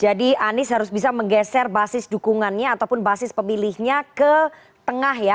jadi anies harus bisa menggeser basis dukungannya ataupun basis pemilihnya ke tengah ya